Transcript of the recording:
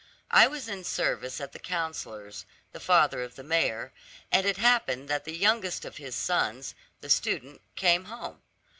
I was in service at the counsellor's, the father of the mayor, and it happened that the youngest of his sons, the student, came home.